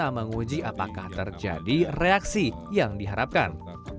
untuk pengambilan sampel darah guna menguji apakah terjadi reaksi yang diharapkan